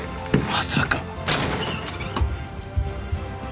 まさか！